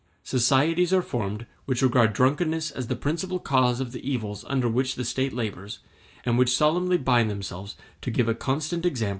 Societies are formed which regard drunkenness as the principal cause of the evils under which the State labors, and which solemnly bind themselves to give a constant example of temperance.